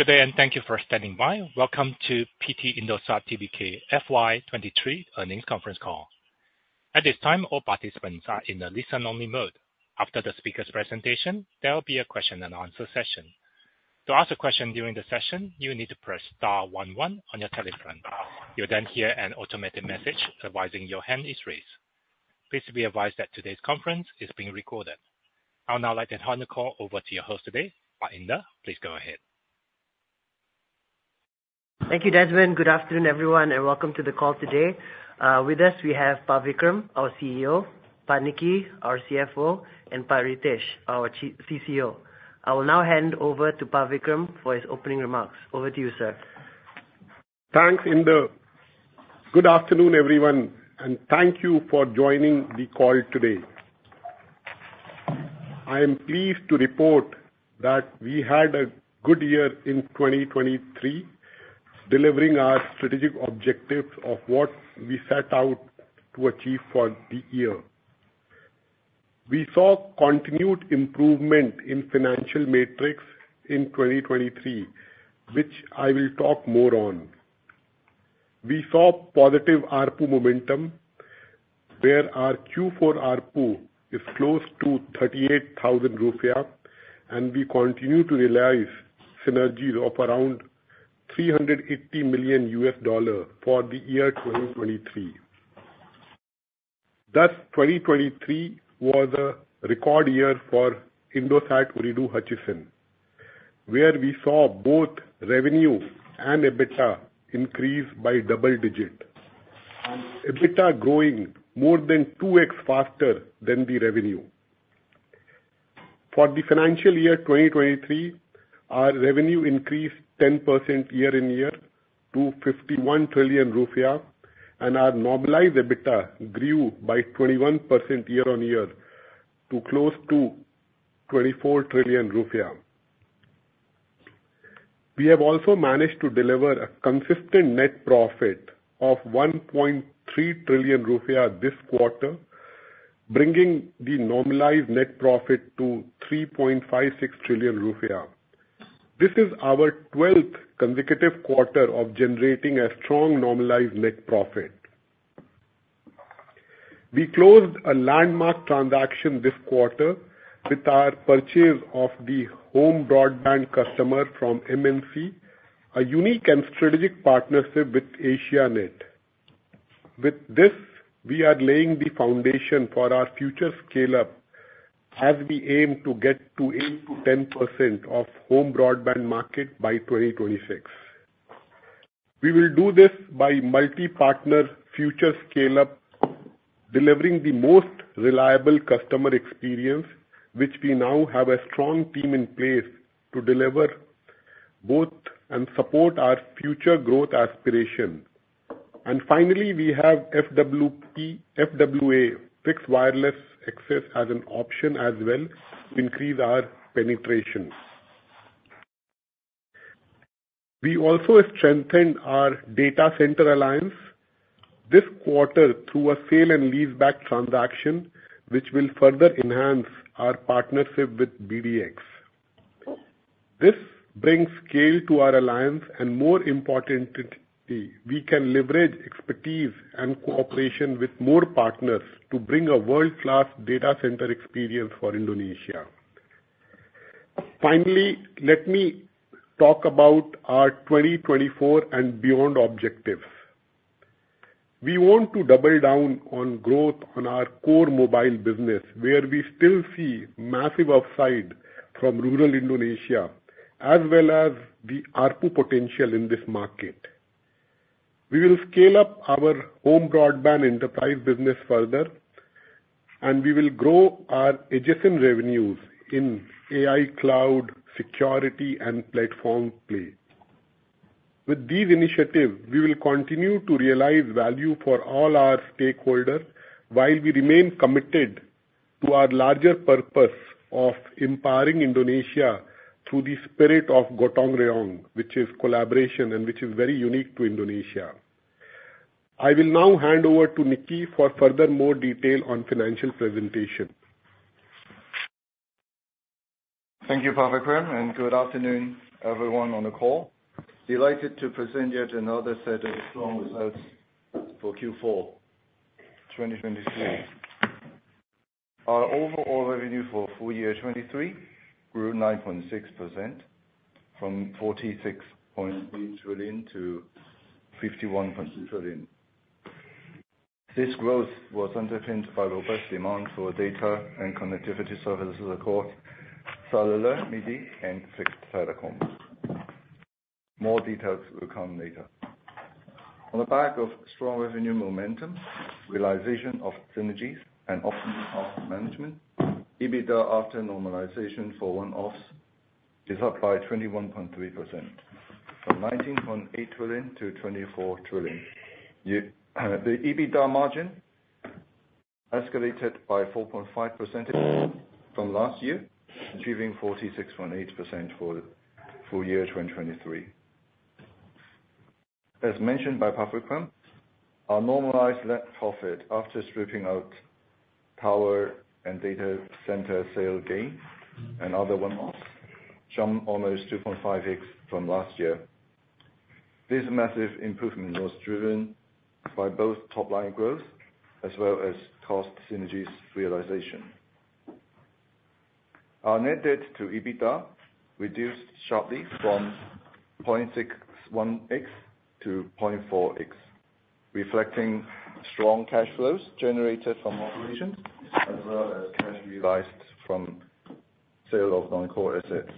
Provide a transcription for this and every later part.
Good day, and thank you for standing by. Welcome to PT Indosat Tbk FY 2023 earnings conference call. At this time, all participants are in a listen-only mode. After the speaker's presentation, there will be a question and answer session. To ask a question during the session, you will need to press star one one on your telephone. You'll then hear an automated message advising your hand is raised. Please be advised that today's conference is being recorded. I'll now like to hand the call over to your host today, Indar. Please go ahead. Thank you, Desmond. Good afternoon, everyone, and welcome to the call today. With us, we have Vikram, our CEO, Pak Nicky, our CFO, and Pak Ritesh, our CCO. I will now hand over to Vikram for his opening remarks. Over to you, sir. Thanks, Indar. Good afternoon, everyone, and thank you for joining the call today. I am pleased to report that we had a good year in 2023, delivering our strategic objectives of what we set out to achieve for the year. We saw continued improvement in financial metrics in 2023, which I will talk more on. We saw positive ARPU momentum, where our Q4 ARPU is close to 38,000 rupiah, and we continue to realize synergies of around $350 million for the year 2023. Thus, 2023 was a record year for Indosat Ooredoo Hutchison, where we saw both revenue and EBITDA increase by double digit, and EBITDA growing more than 2x faster than the revenue. For the financial year 2023, our revenue increased 10% year-on-year to IDR 51 trillion, and our normalized EBITDA grew by 21% year-on-year to close to IDR 24 trillion. We have also managed to deliver a consistent net profit of IDR 1.3 trillion this quarter, bringing the normalized net profit to IDR 3.56 trillion. This is our 12th consecutive quarter of generating a strong normalized net profit. We closed a landmark transaction this quarter with our purchase of the home broadband customer from MNC, a unique and strategic partnership with Asianet. With this, we are laying the foundation for our future scale-up as we aim to get to 8%-10% of home broadband market by 2026. We will do this by multi-partner future scale-up, delivering the most reliable customer experience, which we now have a strong team in place to deliver both and support our future growth aspiration. And finally, we have FWA, fixed wireless access, as an option as well to increase our penetration. We also strengthened our data center alliance this quarter through a sale and leaseback transaction, which will further enhance our partnership with BDx. This brings scale to our alliance, and more importantly, we can leverage expertise and cooperation with more partners to bring a world-class data center experience for Indonesia. Finally, let me talk about our 2024 and beyond objectives. We want to double down on growth on our core mobile business, where we still see massive upside from rural Indonesia, as well as the ARPU potential in this market. We will scale up our home broadband enterprise business further, and we will grow our adjacent revenues in AI, cloud, security, and platform play. With these initiatives, we will continue to realize value for all our stakeholders, while we remain committed to our larger purpose of empowering Indonesia through the spirit of Gotong Royong, which is collaboration and which is very unique to Indonesia. I will now hand over to Nicky for further more detail on financial presentation. Thank you, Vikram, and good afternoon, everyone on the call. Delighted to present yet another set of strong results for Q4 2023. Our overall revenue for full year 2023 grew 9.6% from 46.3 trillion to 51.0 trillion. This growth was underpinned by robust demand for data and connectivity services across cellular, MIDI, and fixed telecoms. More details will come later. On the back of strong revenue momentum, realization of synergies and optimal cost management, EBITDA after normalization for one-offs is up by 21.3%, from 19.8 trillion to 24 trillion. The EBITDA margin escalated by 4.5% from last year, achieving 46.8% for full year 2023. As mentioned by Vikram, our normalized net profit after stripping out power and data center sale gain and other one-offs, jumped almost 2.5x from last year. This massive improvement was driven by both top line growth as well as cost synergies realization. Our net debt to EBITDA reduced sharply from 0.61x-0.4x, reflecting strong cash flows generated from operations as well as cash realized from sale of non-core assets.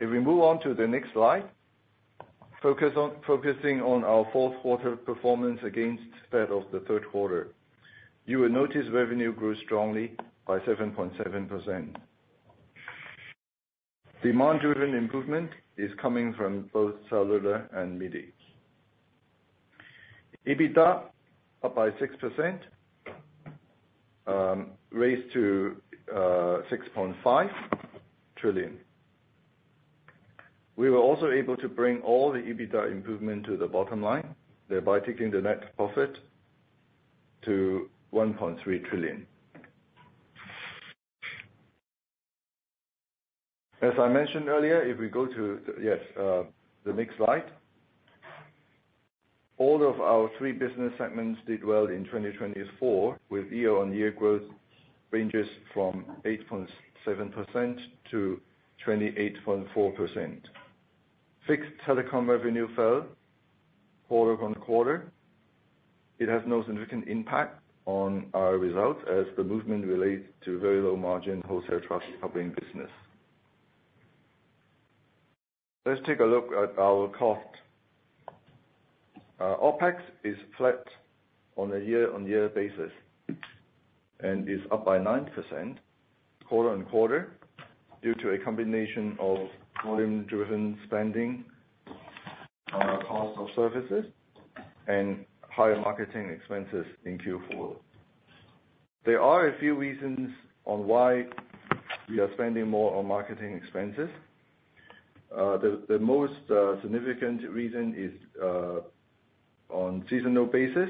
If we move on to the next slide, focusing on our fourth quarter performance against that of the third quarter, you will notice revenue grew strongly by 7.7%. Demand-driven improvement is coming from both cellular and MIDI. EBITDA, up by 6%, raised to 6.5 trillion. We were also able to bring all the EBITDA improvement to the bottom line, thereby taking the net profit to IDR 1.3 trillion. As I mentioned earlier, if we go to, yes, the next slide. All of our three business segments did well in 2024, with year-on-year growth ranging from 8.7%-28.4%. Fixed telecom revenue fell quarter-on-quarter. It has no significant impact on our results, as the movement relates to very low margin wholesale trust covering business. Let's take a look at our cost. OpEx is flat on a year-on-year basis, and is up by 9% quarter-on-quarter, due to a combination of volume-driven spending on our cost of services and higher marketing expenses in Q4. There are a few reasons on why we are spending more on marketing expenses. The most significant reason is on seasonal basis,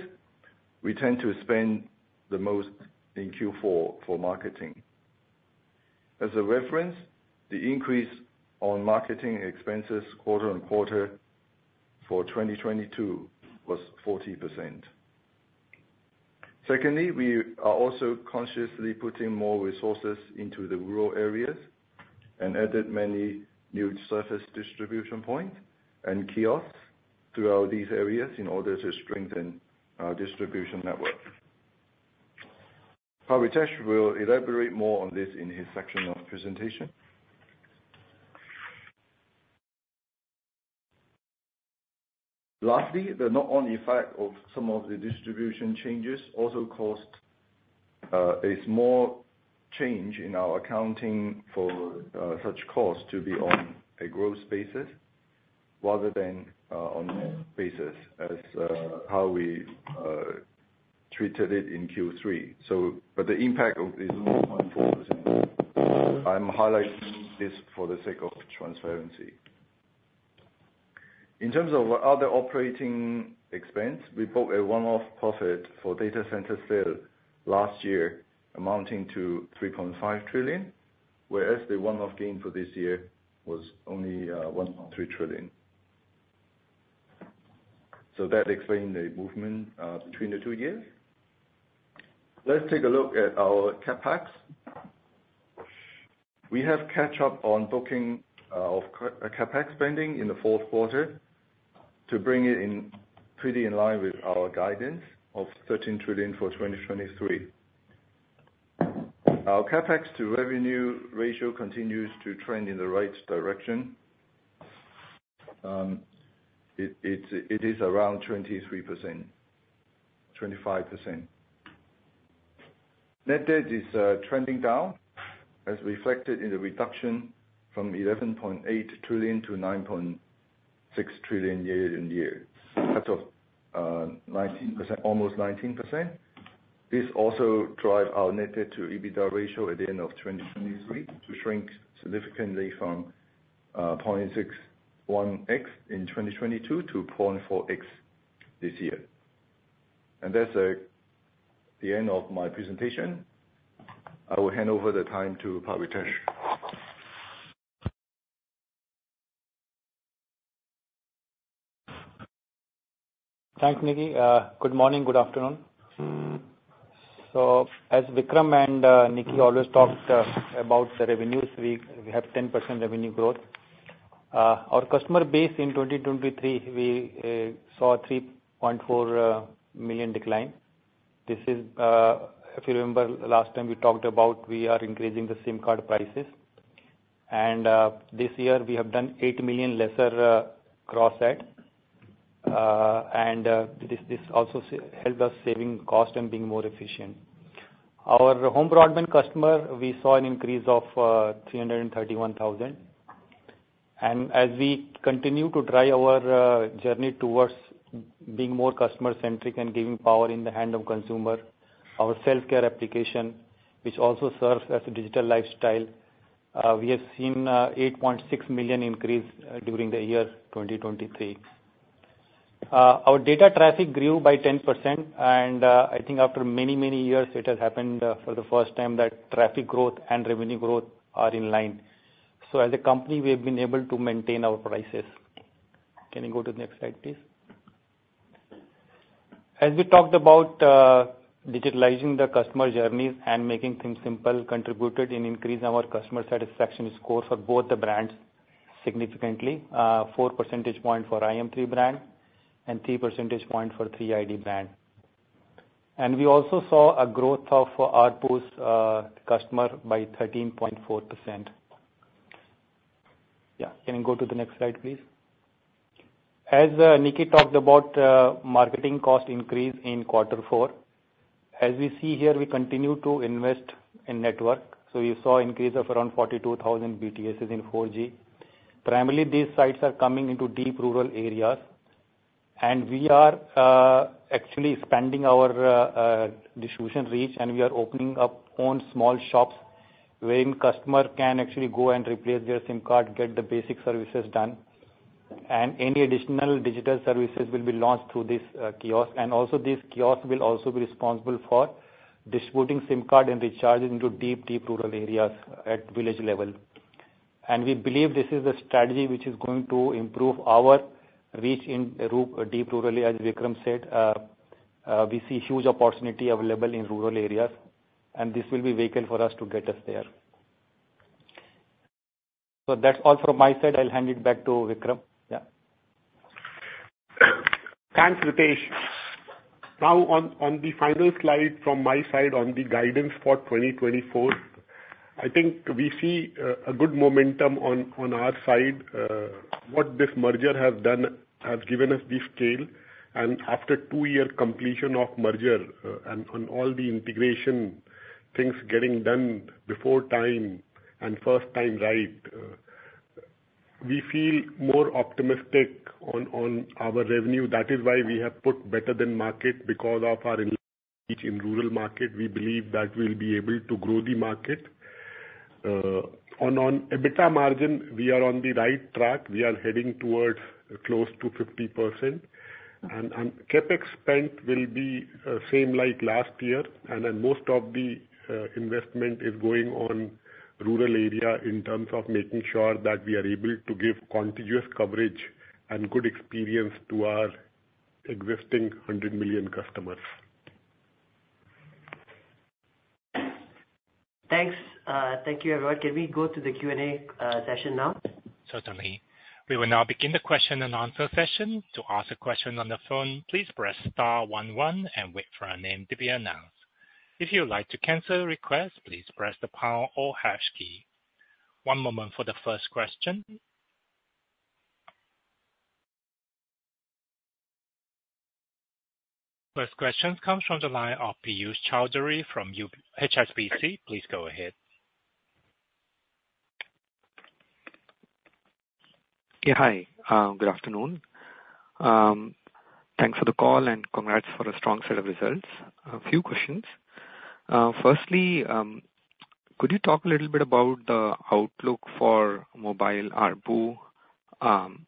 we tend to spend the most in Q4 for marketing. As a reference, the increase on marketing expenses quarter-on-quarter for 2022 was 40%. Secondly, we are also consciously putting more resources into the rural areas and added many new service distribution points and kiosks throughout these areas in order to strengthen our distribution network. Pak Ritesh will elaborate more on this in his section of presentation. Lastly, the knock-on effect of some of the distribution changes also caused a small change in our accounting for such costs to be on a gross basis rather than on-basis as how we treated it in Q3. So, but the impact of is 1.4%. I'm highlighting this for the sake of transparency. In terms of other operating expense, we booked a one-off profit for data center sale last year, amounting to 3.5 trillion, whereas the one-off gain for this year was only 1.3 trillion. So that explains the movement between the two years. Let's take a look at our CapEx. We have catch up on booking of CapEx spending in the fourth quarter to bring it in, pretty in line with our guidance of 13 trillion for 2023. Our CapEx to revenue ratio continues to trend in the right direction. It is around 23%-25%. Net debt is trending down, as reflected in the reduction from 11.8 trillion to 9.6 trillion year-on-year. That's off 19%, almost 19%. This also drive our Net Debt to EBITDA ratio at the end of 2023 to shrink significantly from 0.61x in 2022 to 0.4x this year. That's the end of my presentation. I will hand over the time to Pak Ritesh. Thanks, Nicky. Good morning, good afternoon. So as Vikram and Nicky always talked about the revenues, we have 10% revenue growth. Our customer base in 2023, we saw 3.4 million decline. This is, if you remember, last time we talked about we are increasing the SIM card prices. And this year we have done 8 million lesser cross-add, and this also helped us saving cost and being more efficient. Our home broadband customer, we saw an increase of 331,000. And as we continue to drive our journey towards being more customer-centric and giving power in the hand of consumer, our self-care application, which also serves as a digital lifestyle, we have seen 8.6 million increase during the year 2023. Our data traffic grew by 10%, and, I think after many, many years, it has happened, for the first time, that traffic growth and revenue growth are in line. So as a company, we have been able to maintain our prices. Can you go to the next slide, please? As we talked about, digitalizing the customer journeys and making things simple, contributed in increasing our customer satisfaction scores for both the brands significantly. Four percentage points for IM3 brand and three percentage points for Tri brand. And we also saw a growth of ARPU customer by 13.4%. Yeah. Can you go to the next slide, please? As, Nicky talked about, marketing cost increase in quarter four, as we see here, we continue to invest in network. So you saw increase of around 42,000 BTSs in 4G. Primarily, these sites are coming into deep rural areas, and we are actually expanding our distribution reach, and we are opening up own small shops, wherein customer can actually go and replace their SIM card, get the basic services done. And any additional digital services will be launched through this kiosk. And also, this kiosk will also be responsible for distributing SIM card and recharging into deep, deep rural areas at village level. And we believe this is a strategy which is going to improve our reach in deep rural area, as Vikram said, we see huge opportunity available in rural areas, and this will be vehicle for us to get us there. So that's all from my side. I'll hand it back to Vikram. Yeah. Thanks, Ritesh. Now, on the final slide from my side on the guidance for 2024, I think we see a good momentum on our side. What this merger has done has given us the scale, and after two-year completion of merger, and on all the integration things getting done before time and first time, right, we feel more optimistic on our revenue. That is why we have put better than market because of our in rural market. We believe that we'll be able to grow the market. On EBITDA margin, we are on the right track. We are heading towards close to 50%. CapEx spend will be same like last year. Then, most of the investment is going on rural area in terms of making sure that we are able to give contiguous coverage and good experience to our existing 100 million customers. Thanks. Thank you, everyone. Can we go to the Q&A session now? Certainly. We will now begin the question-and-answer session. To ask a question on the phone, please press star one one and wait for your name to be announced. If you would like to cancel a request, please press the pound or hash key. One moment for the first question. First question comes from the line of Piyush Choudhary from HSBC. Please go ahead. Yeah, hi. Good afternoon. Thanks for the call, and congrats for a strong set of results. A few questions. Firstly, could you talk a little bit about the outlook for mobile ARPU?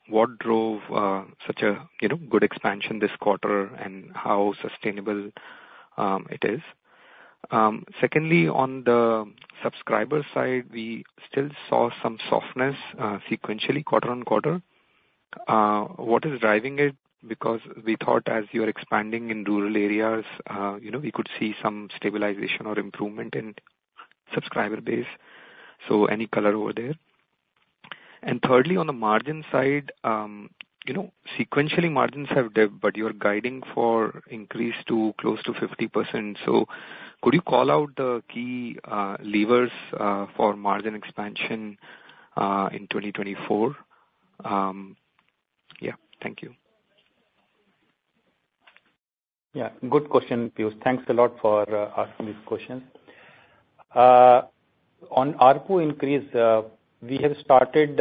What drove such a, you know, good expansion this quarter, and how sustainable it is? Secondly, on the subscriber side, we still saw some softness sequentially, quarter-over-quarter. What is driving it? Because we thought as you are expanding in rural areas, you know, we could see some stabilization or improvement in subscriber base. So any color over there? And thirdly, on the margin side, you know, sequentially, margins have dipped, but you're guiding for increase to close to 50%. So could you call out the key levers for margin expansion in 2024? Yeah. Thank you. Yeah, good question, Piyush. Thanks a lot for asking this question. On ARPU increase, we have started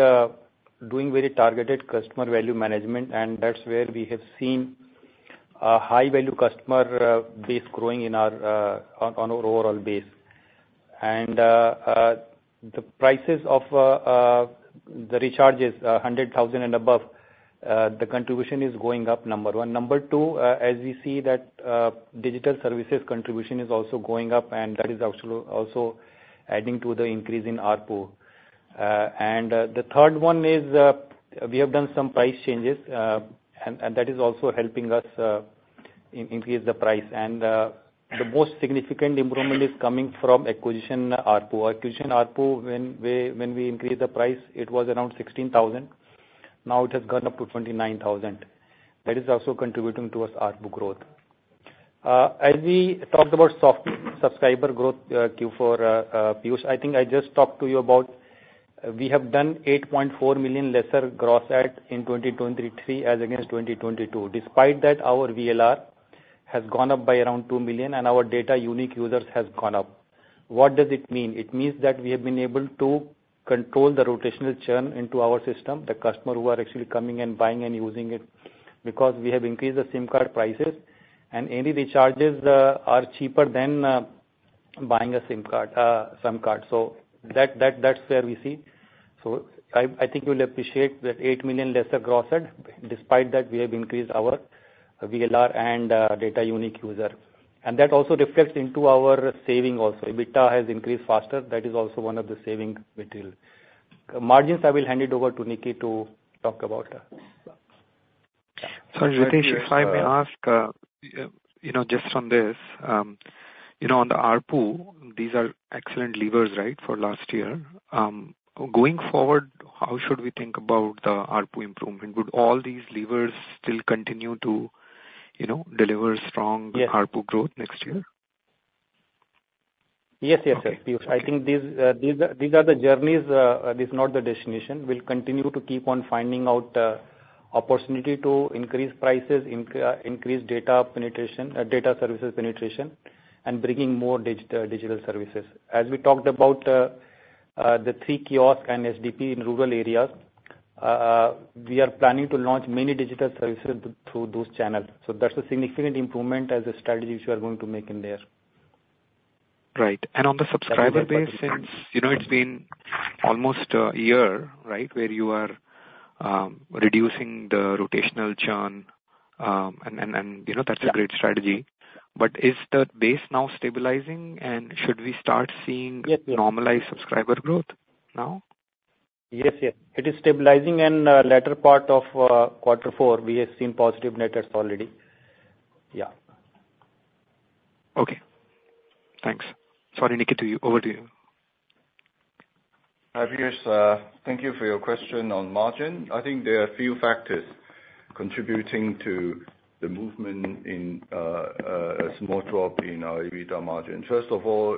doing very targeted customer value management, and that's where we have seen a high-value customer base growing in our on our overall base. And the prices of the recharges, 100,000 and above, the contribution is going up, number one. Number two, as we see that digital services contribution is also going up, and that is also adding to the increase in ARPU. And the third one is, we have done some price changes, and that is also helping us increase the price. And the most significant improvement is coming from acquisition ARPU. Acquisition ARPU, when we increased the price, it was around 16,000. Now, it has gone up to 29,000. That is also contributing to our ARPU growth. As we talked about soft-subscriber growth, Q4, Piyush, I think I just talked to you about, we have done 8.4 million lesser gross add in 2023 as against 2022. Despite that, our VLR has gone up by around 2 million, and our data unique users has gone up. What does it mean? It means that we have been able to control the rotational churn into our system, the customer who are actually coming and buying and using it... because we have increased the SIM card prices, and any recharges are cheaper than buying a SIM card, SIM card. So that's where we see. So I think you'll appreciate that 8 million lesser gross add, despite that, we have increased our VLR and data unique user. And that also reflects into our saving also. EBITDA has increased faster, that is also one of the saving material. Margins, I will hand it over to Nicky to talk about. Sorry, Ritesh, if I may ask, you know, just on this, you know, on the ARPU, these are excellent levers, right? For last year. Going forward, how should we think about the ARPU improvement? Would all these levers still continue to, you know, deliver strong- Yes. - ARPU growth next year? Yes, yes, yes, Piyush. I think these, these are the journeys, this is not the destination. We'll continue to keep on finding out opportunity to increase prices, increase data penetration, data services penetration, and bringing more digital services. As we talked about, the 3 Kiosk and SDP in rural areas, we are planning to launch many digital services through those channels. So that's a significant improvement as a strategies we are going to make in there. Right. On the subscriber base- That was my point. since, you know, it's been almost a year, right? Where you are reducing the rotational churn, and you know- Yeah... that's a great strategy. But is the base now stabilizing? And should we start seeing- Yes, we Normalized subscriber growth now? Yes, yes. It is stabilizing in latter part of quarter four. We have seen positive net adds already. Yeah. Okay. Thanks. Sorry, Nicky, to you, over to you. Hi, Piyush, thank you for your question on margin. I think there are a few factors contributing to the movement in, a small drop in our EBITDA margin. First of all,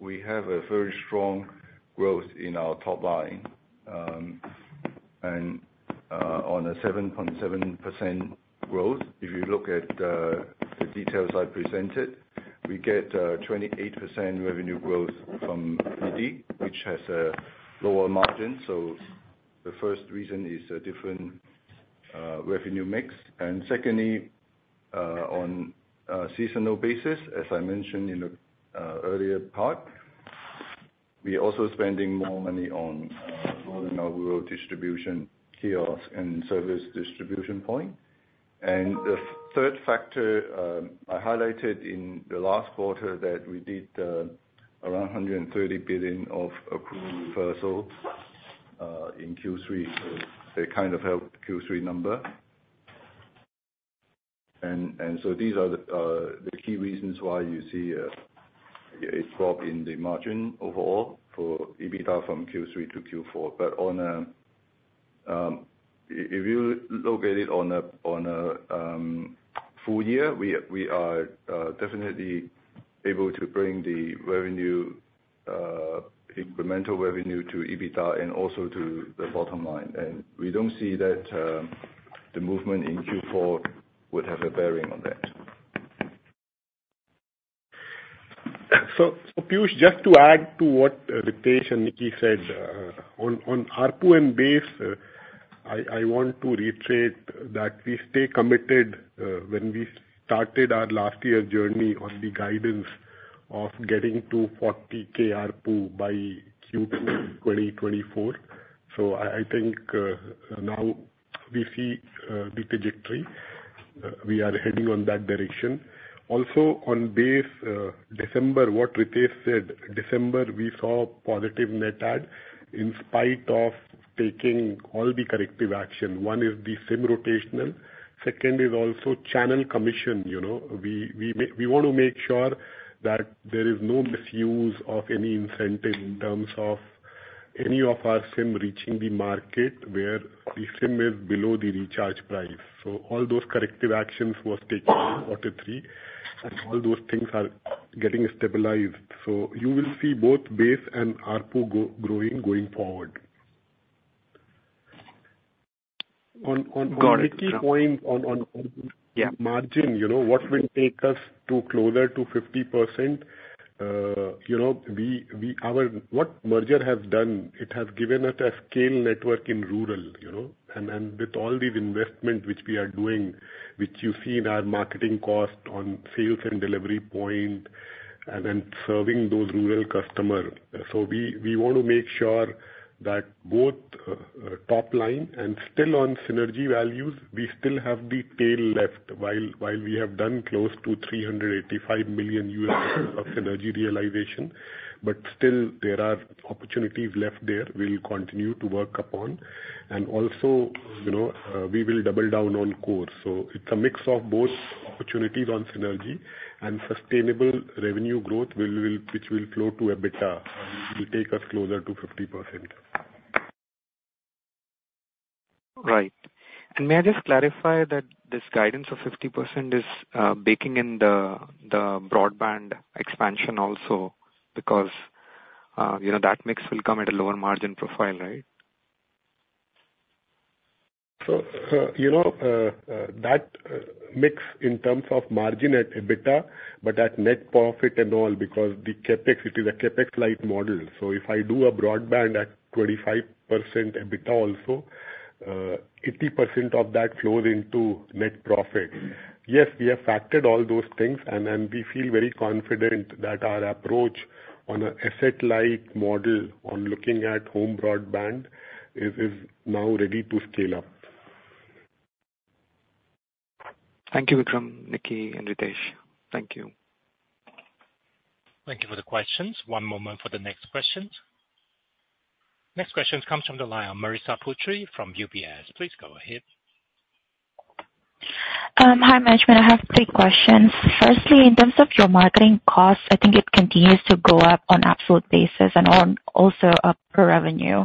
we have a very strong growth in our top line, and, on a 7.7% growth. If you look at, the details I presented, we get, 28% revenue growth from MIDI, which has a lower margin. So the first reason is a different, revenue mix. And secondly, on a seasonal basis, as I mentioned in the, earlier part, we are also spending more money on, more in our rural distribution kiosk and service distribution point. And the third factor, I highlighted in the last quarter that we did, around 130 billion of accrual reversal, in Q3. So it kind of helped Q3 number. And so these are the key reasons why you see a drop in the margin overall for EBITDA from Q3 to Q4. But on a full year, we are definitely able to bring the revenue incremental revenue to EBITDA and also to the bottom line. And we don't see that the movement in Q4 would have a bearing on that. Piyush, just to add to what Ritesh and Nicky said, on ARPU and base, I want to reiterate that we stay committed when we started our last year journey on the guidance of getting to 40,000 ARPU by Q2 2024. So I think now we see the trajectory. We are heading on that direction. Also, on base, December, what Ritesh said, December, we saw positive net add, in spite of taking all the corrective action. One is the SIM rotation, second is also channel commission, you know. We want to make sure that there is no misuse of any incentive in terms of any of our SIM reaching the market, where the SIM is below the recharge price. So all those corrective actions was taken quarter three, and all those things are getting stabilized. So you will see both base and ARPU growing, going forward. On, on- Got it. On key points Yeah... margin, you know, what will take us to closer to 50%? You know, what merger has done, it has given us a scale network in rural, you know, and with all these investment which we are doing, which you see in our marketing cost on sales and delivery point, and then serving those rural customer. So we want to make sure that both top line and still on synergy values, we still have the tail left, while we have done close to 385 million of synergy realization, but still there are opportunities left there we'll continue to work upon. And also, you know, we will double down on core. So it's a mix of both opportunities on synergy and sustainable revenue growth, which will flow to EBITDA. It will take us closer to 50%. Right. And may I just clarify that this guidance of 50% is baking in the broadband expansion also? Because, you know, that mix will come at a lower margin profile, right? So, you know, that mix in terms of margin at EBITDA, but at net profit and all, because the CapEx, it is a CapEx-like model. So if I do a broadband at 25% EBITDA also—80% of that flows into net profit. Yes, we have factored all those things, and then we feel very confident that our approach on an asset-light model on looking at home broadband is, is now ready to scale up. Thank you, Vikram, Nicky, and Ritesh. Thank you. Thank you for the questions. One moment for the next questions. Next question comes from the line, Marissa Putri from UBS. Please go ahead. Hi, management. I have three questions. Firstly, in terms of your marketing costs, I think it continues to go up on absolute basis and on, also up per revenue.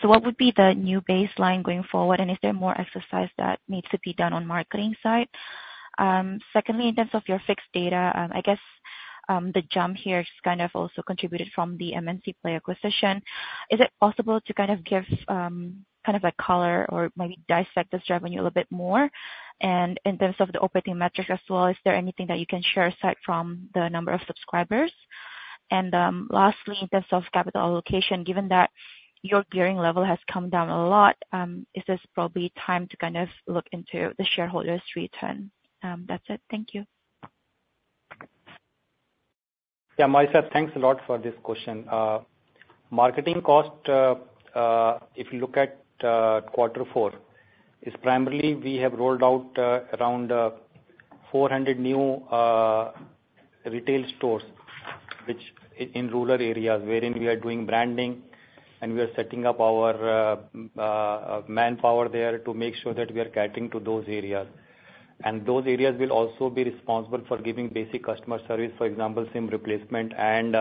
So what would be the new baseline going forward, and is there more exercise that needs to be done on marketing side? Secondly, in terms of your fixed data, I guess, the jump here is kind of also contributed from the MNC Play acquisition. Is it possible to kind of give, kind of a color or maybe dissect this revenue a little bit more? And in terms of the operating metrics as well, is there anything that you can share aside from the number of subscribers? Lastly, in terms of capital allocation, given that your gearing level has come down a lot, is this probably time to kind of look into the shareholders' return? That's it. Thank you. Yeah, Marissa, thanks a lot for this question. Marketing cost, if you look at quarter four, is primarily we have rolled out around 400 new retail stores, which in rural areas, wherein we are doing branding, and we are setting up our manpower there to make sure that we are catering to those areas. And those areas will also be responsible for giving basic customer service, for example, SIM replacement and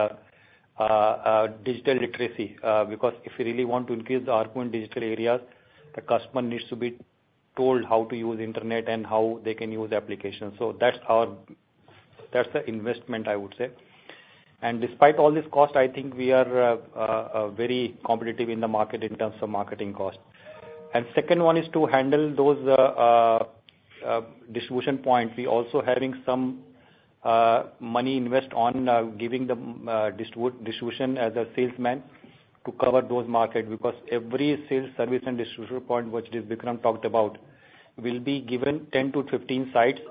digital literacy. Because if you really want to increase the ARPU in digital areas, the customer needs to be told how to use internet and how they can use the application. So that's our-- that's the investment, I would say. And despite all this cost, I think we are very competitive in the market in terms of marketing costs. And second one is to handle those, distribution points. We're also having some money invest on, giving the distribution as a salesman to cover those market, because every sales service and distribution point, which, Vikram talked about, will be given 10 sites-15 sites.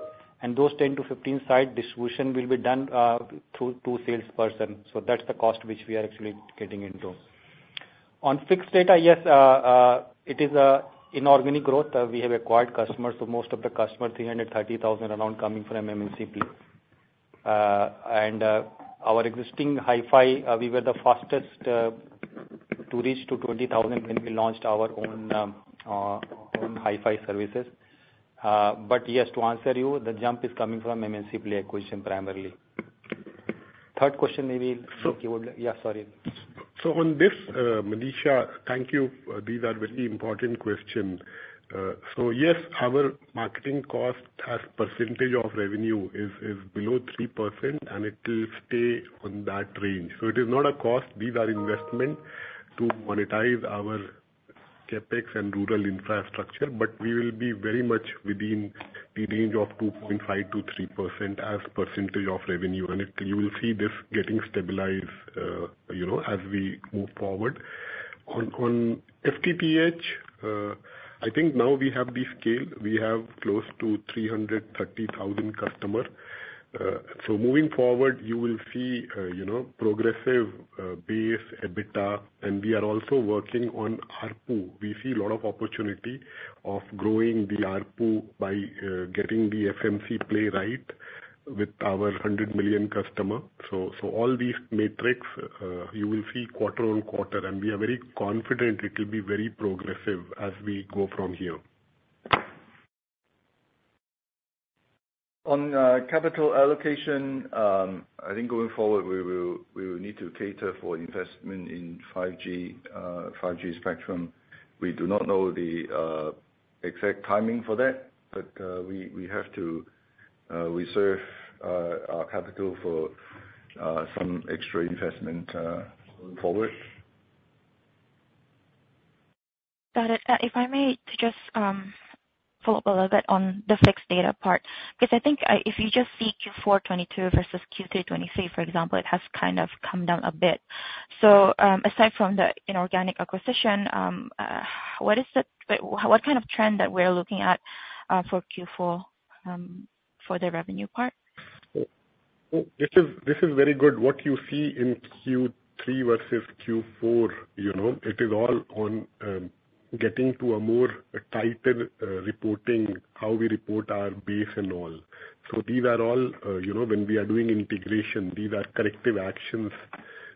And those 10 sites-15 site distribution will be done, through two salesperson. So that's the cost which we are actually getting into. On fixed data, yes, it is a inorganic growth. We have acquired customers, so most of the customers, 330,000 around coming from MNC Play. And, our existing HiFi, we were the fastest, to reach to 20,000 when we launched our own, own HiFi services. But yes, to answer you, the jump is coming from MNC Play acquisition, primarily. Third question, maybe, you would like- So- Yeah, sorry. So on this, Marissa, thank you. These are very important questions. So yes, our marketing cost as percentage of revenue is, is below 3%, and it will stay on that range. So it is not a cost, these are investment to monetize our CapEx and rural infrastructure, but we will be very much within the range of 2.5%-3% as percentage of revenue. And it, you will see this getting stabilized, you know, as we move forward. On FTTH, I think now we have the scale. We have close to 330,000 customer. So moving forward, you will see, you know, progressive base EBITDA, and we are also working on ARPU. We see a lot of opportunity of growing the ARPU by getting the FMC play right with our 100 million customer. So all these metrics, you will see quarter-on-quarter, and we are very confident it will be very progressive as we go from here. On capital allocation, I think going forward, we will need to cater for investment in 5G spectrum. We do not know the exact timing for that, but we have to reserve our capital for some extra investment going forward. Got it. If I may just, follow up a little bit on the fixed data part, because I think, if you just see Q4 2022 versus Q3 2023, for example, it has kind of come down a bit. So, aside from the inorganic acquisition, what is the... what kind of trend that we're looking at, for Q4, for the revenue part? This is very good. What you see in Q3 versus Q4, you know, it is all on getting to a more tighter reporting, how we report our base and all. So these are all, you know, when we are doing integration, these are corrective actions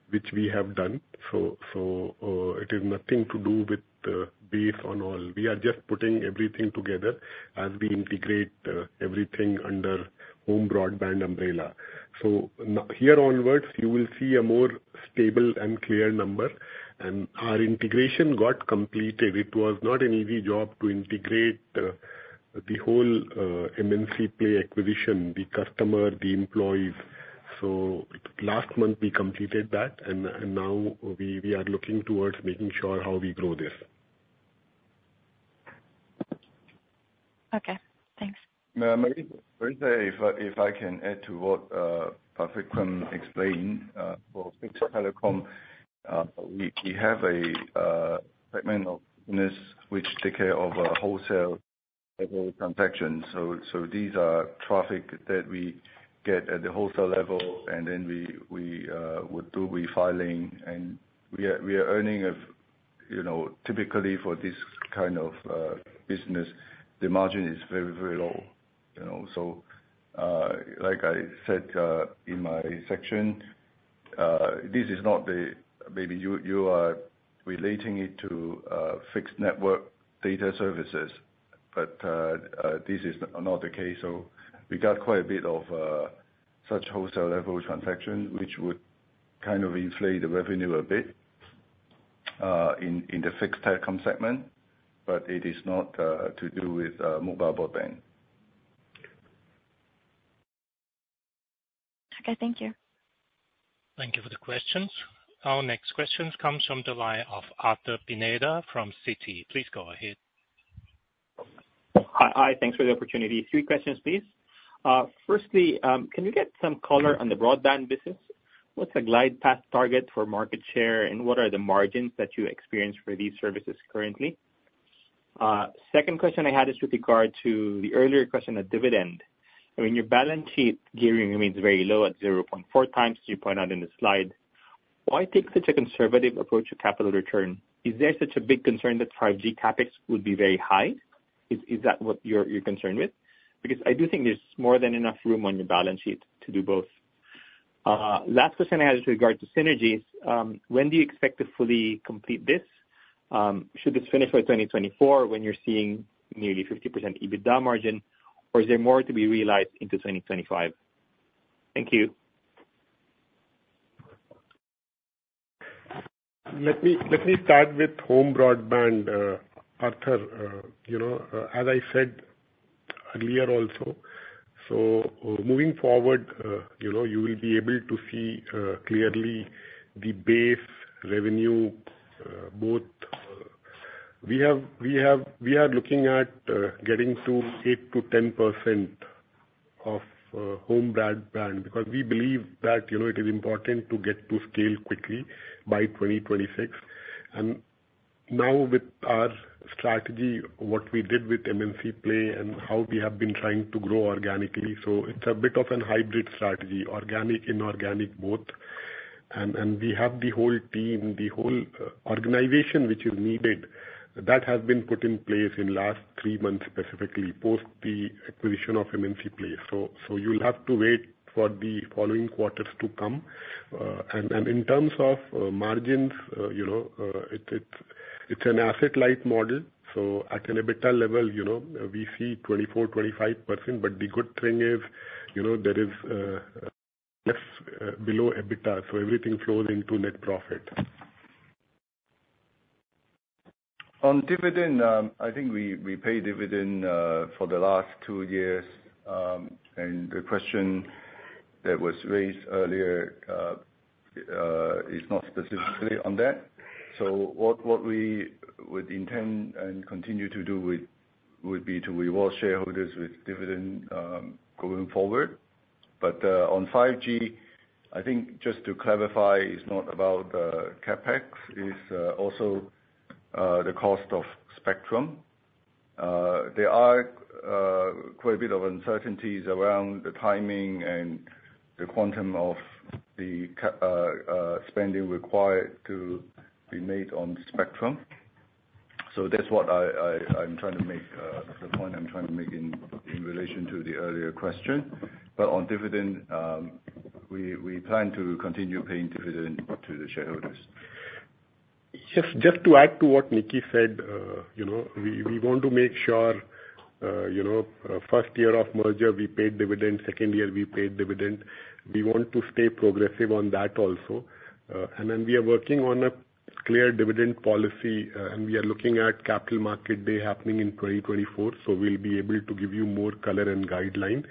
which we have done. So it is nothing to do with the base on all. We are just putting everything together as we integrate everything under home broadband umbrella. So here onwards, you will see a more stable and clear number. And our integration got completed. It was not an easy job to integrate the whole MNC Play acquisition, the customer, the employees. So last month, we completed that, and now we are looking towards making sure how we grow this.... Okay, thanks. Marissa, if I can add to what Pak Vikram explained, for fixed telecom, we have a segment of business which take care of wholesale level transaction. So these are traffic that we get at the wholesale level, and then we would do refiling, and we are earning a, you know, typically for this kind of business, the margin is very, very low, you know? So, like I said, in my section, this is not the-- maybe you are relating it to fixed network data services, but this is not the case. So we got quite a bit of such wholesale level transaction, which would kind of inflate the revenue a bit in the fixed telecom segment, but it is not to do with mobile broadband. Okay, thank you. Thank you for the questions. Our next question comes from the line of Arthur Pineda from Citi. Please go ahead. Hi. Hi, thanks for the opportunity. Three questions, please. First, can you get some color on the broadband business? What's the glide path target for market share, and what are the margins that you experience for these services currently? Second question I had is with regard to the earlier question on dividend. I mean, your balance sheet gearing remains very low at 0.4x, you point out in the slide. Why take such a conservative approach to capital return? Is there such a big concern that 5G CapEx would be very high? Is that what you're concerned with? Because I do think there's more than enough room on your balance sheet to do both. Last question I had is with regard to synergies. When do you expect to fully complete this? Should this finish by 2024, when you're seeing nearly 50% EBITDA margin, or is there more to be realized into 2025? Thank you. Let me start with home broadband, Arthur. You know, as I said earlier also, so, moving forward, you know, you will be able to see clearly the base revenue, both. We are looking at getting to 8%-10% of home broadband, because we believe that, you know, it is important to get to scale quickly by 2026. And now, with our strategy, what we did with MNC Play and how we have been trying to grow organically, so it's a bit of a hybrid strategy, organic, inorganic, both. And we have the whole team, the whole organization which is needed, that has been put in place in last three months, specifically post the acquisition of MNC Play. So you'll have to wait for the following quarters to come. In terms of margins, you know, it's an asset-light model, so at an EBITDA level, you know, we see 24%-25%, but the good thing is, you know, there is less below EBITDA, so everything flows into net profit. On dividend, I think we paid dividend for the last two years, and the question that was raised earlier is not specifically on that. So what we would intend and continue to do would be to reward shareholders with dividend, going forward. But on 5G, I think just to clarify, it's not about CapEx, it's also the cost of spectrum. There are quite a bit of uncertainties around the timing and the quantum of the spending required to be made on the spectrum. So that's what I'm trying to make the point I'm trying to make in relation to the earlier question. But on dividend, we plan to continue paying dividend to the shareholders. Just to add to what Nicky said, you know, we want to make sure, you know, first year of merger, we paid dividend. Second year, we paid dividend. We want to stay progressive on that also. And then we are working on a clear dividend policy, and we are looking at capital market day happening in 2024, so we'll be able to give you more color and guideline.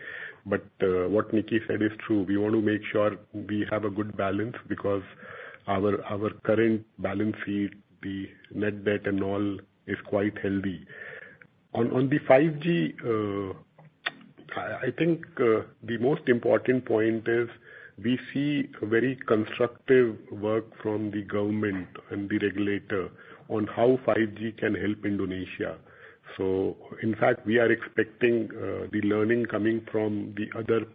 But, what Nicky said is true, we want to make sure we have a good balance because our current balance sheet, the net debt and all, is quite healthy. On the 5G, I think, the most important point is we see very constructive work from the government and the regulator on how 5G can help Indonesia. So in fact, we are expecting, the learning coming from the other,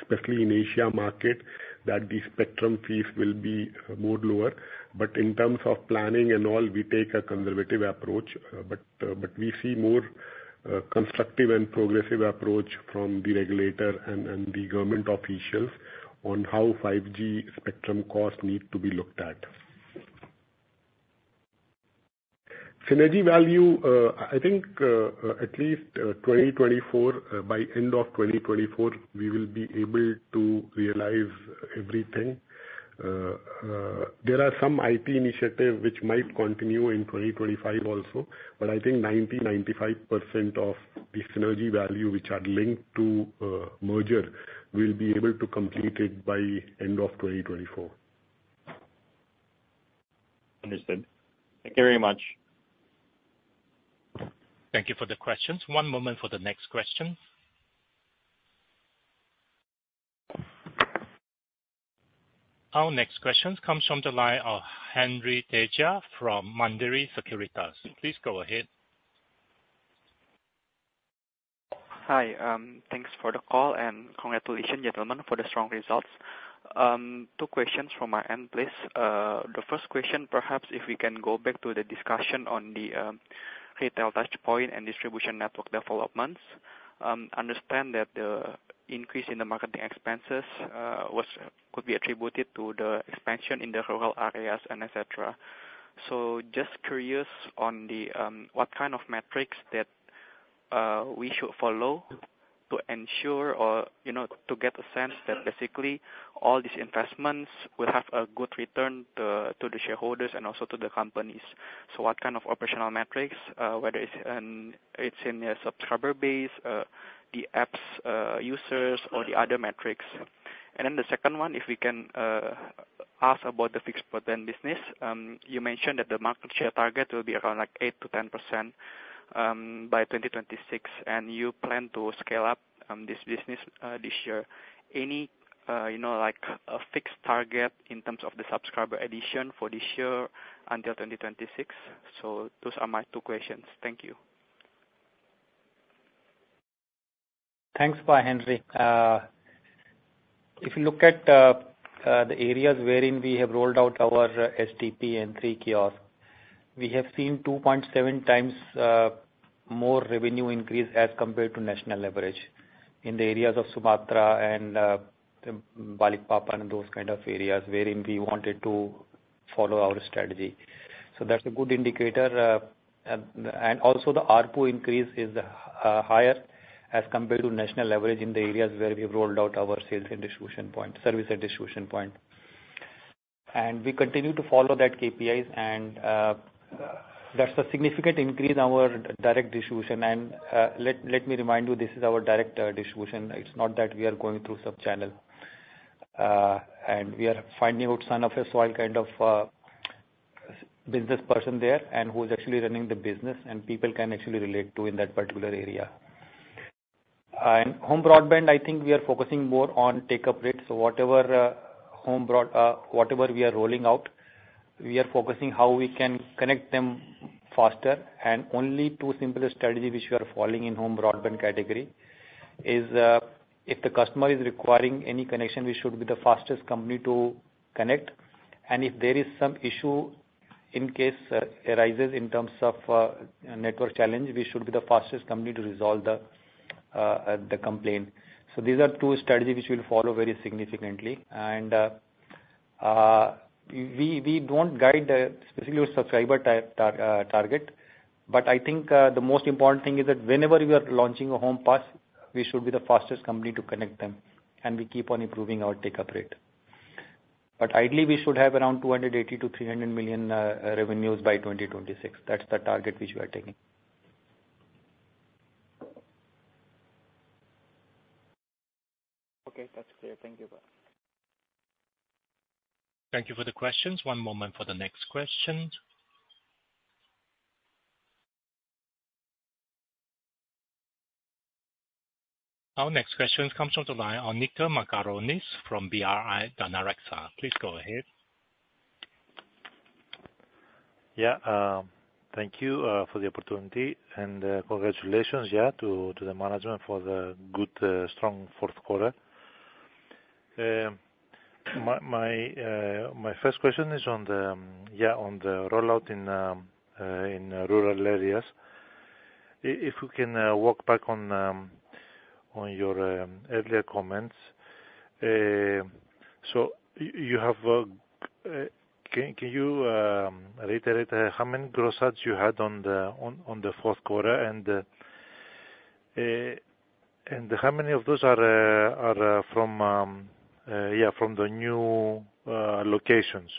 especially in Asia market, that the spectrum fees will be more lower. But in terms of planning and all, we take a conservative approach, but, but we see more, constructive and progressive approach from the regulator and, and the government officials on how 5G spectrum costs need to be looked at. Synergy value, I think, at least, 2024, by end of 2024, we will be able to realize everything. There are some IT initiative which might continue in 2025 also, but I think 95% of the synergy value, which are linked to, merger, we'll be able to complete it by end of 2024.... Understood. Thank you very much. Thank you for the questions. One moment for the next question. Our next question comes from the line of Henry Tedja from Mandiri Sekuritas. Please go ahead. Hi. Thanks for the call, and congratulations, gentlemen, for the strong results. Two questions from my end, please. The first question, perhaps, if we can go back to the discussion on the retail touchpoint and distribution network developments. Understand that the increase in the marketing expenses could be attributed to the expansion in the rural areas and et cetera. So just curious on the what kind of metrics that we should follow to ensure or, you know, to get a sense that basically all these investments will have a good return to the shareholders and also to the companies. So what kind of operational metrics, whether it's in, it's in the subscriber base, the apps, users or the other metrics? And then the second one, if we can ask about the fixed broadband business. You mentioned that the market share target will be around, like, 8%-10% by 2026, and you plan to scale up this business this year. Any, you know, like, a fixed target in terms of the subscriber addition for this year until 2026? So those are my two questions. Thank you. Thanks, Henry. If you look at the areas wherein we have rolled out our SDP and 3Kiosk, we have seen 2.7x more revenue increase as compared to national average. In the areas of Sumatra and Balikpapan and those kind of areas wherein we wanted to follow our strategy. So that's a good indicator. And also, the ARPU increase is higher as compared to national average in the areas where we have rolled out our sales and distribution point, service and distribution point. And we continue to follow that KPIs, and that's a significant increase in our direct distribution. Let me remind you, this is our direct distribution. It's not that we are going through subchannel. We are finding out son of soil kind of business person there, and who is actually running the business, and people can actually relate to in that particular area. And home broadband, I think we are focusing more on take-up rates. So whatever, whatever we are rolling out, we are focusing how we can connect them faster. And only two simple strategy which we are following in home broadband category is, if the customer is requiring any connection, we should be the fastest company to connect. And if there is some issue in case arises in terms of network challenge, we should be the fastest company to resolve the complaint. So these are two strategies which we'll follow very significantly. We don't guide specifically with subscriber type target, but I think the most important thing is that whenever we are launching a home pass, we should be the fastest company to connect them, and we keep on improving our take-up rate. But ideally, we should have around 280 million-300 million revenues by 2026. That's the target which we are taking. Okay, that's clear. Thank you, bye. Thank you for the questions. One moment for the next question. Our next question comes from the line, Niko Margaronis from BRI Danareksa. Please go ahead. Yeah, thank you for the opportunity, and congratulations to the management for the good strong fourth quarter. My first question is on the rollout in rural areas. If you can walk back on your earlier comments. So you have... Can you reiterate how many gross adds you had on the fourth quarter? And how many of those are from the new locations?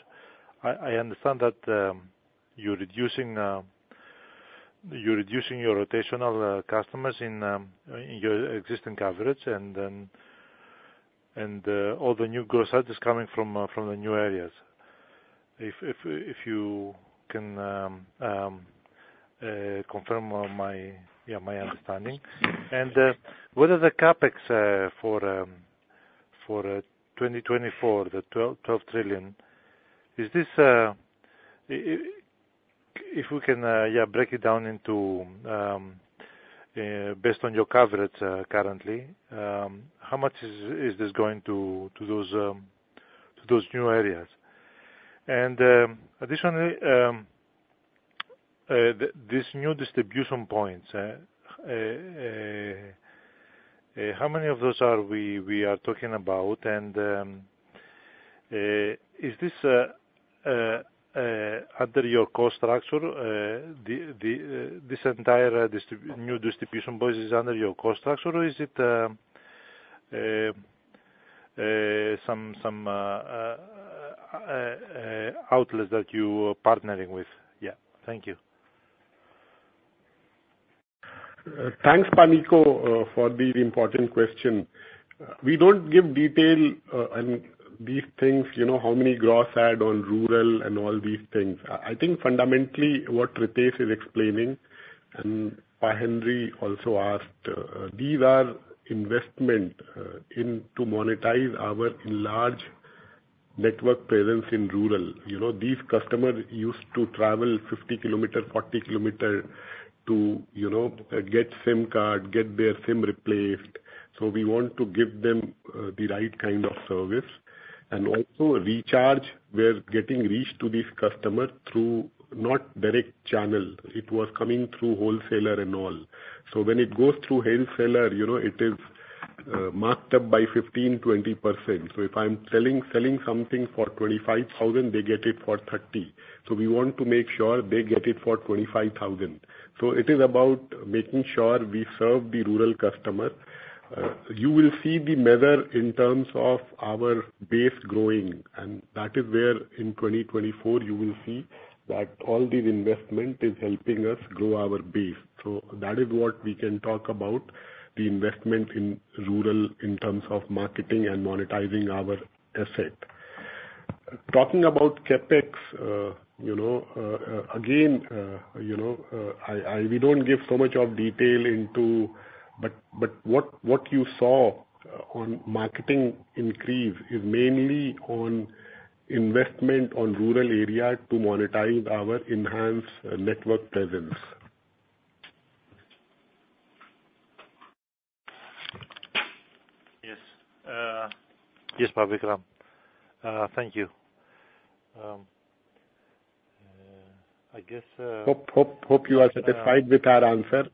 I understand that you're reducing your rotational customers in your existing coverage, and then all the new growth side is coming from the new areas. If you can confirm my, yeah, my understanding. And what are the CapEx for 2024, the 12 trillion, is this... If we can yeah break it down into based on your coverage currently how much is this going to those new areas? And additionally this new distribution points how many of those are we talking about? And is this under your cost structure? The this entire new distribution points is under your cost structure, or is it some outlets that you are partnering with? Yeah. Thank you. Thanks, Pak Niko, for the important question. We don't give detail on these things, you know, how many gross add on rural and all these things. I think fundamentally what Ritesh is explaining, and Henry also asked, these are investment in to monetize our large network presence in rural. You know, these customers used to travel 50 kilometers, 40 kilometers to, you know, get SIM card, get their SIM replaced. So we want to give them the right kind of service. And also recharge, we're getting reached to these customers through not direct channel. It was coming through wholesaler and all. So when it goes through wholesaler, you know, it is marked up by 15%-20%. So if I'm selling something for 25,000, they get it for 30,000. So we want to make sure they get it for 25,000. So it is about making sure we serve the rural customer. You will see the measure in terms of our base growing, and that is where in 2024 you will see that all this investment is helping us grow our base. So that is what we can talk about, the investment in rural in terms of marketing and monetizing our asset. Talking about CapEx, we don't give so much of detail into... But what you saw on marketing increase is mainly on investment on rural area to monetize our enhanced network presence. Yes. Yes, Vikram. Thank you. I guess, Hope you are satisfied with our answer.